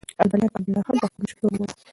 ابداليانو عبدالله خان په خپل مشرتوب ومنه.